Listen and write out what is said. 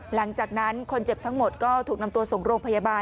หลังจากนั้นคนเจ็บทั้งหมดก็ถูกนำตัวส่งโรงพยาบาล